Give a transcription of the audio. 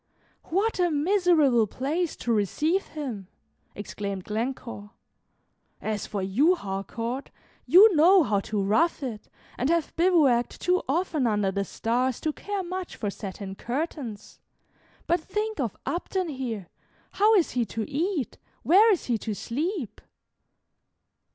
"What a miserable place to receive him!" exclaimed Glencore. "As for you, Harcourt, you know how to rough it, and have bivouacked too often under the stars to care much for satin curtains. But think of Upton here! How is he to eat, where is he to sleep?"